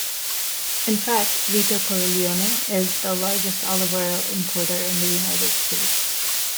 In fact, Vito Corleone is the largest olive oil importer in the United States.